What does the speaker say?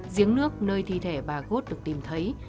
giếng nước nơi thi thể bà gốt được tìm thấy